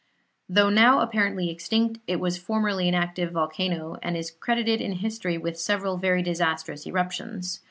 Though now apparently extinct, it was formerly an active volcano, and is credited in history with several very disastrous eruptions.